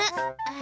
あ！